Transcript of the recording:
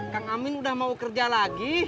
kang amin udah mau kerja lagi